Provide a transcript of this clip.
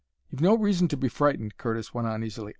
"You've no reason to be frightened," Curtis went on easily.